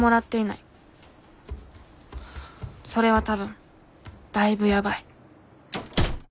それは多分だいぶやばい。